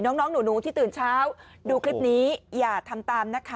น้องหนูที่ตื่นเช้าดูคลิปนี้อย่าทำตามนะคะ